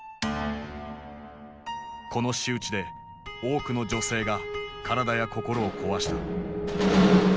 この仕打ちで多くの女性が体や心を壊した。